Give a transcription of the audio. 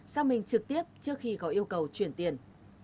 xác minh trực tiếp trước khi có yêu cầu chuyển tiền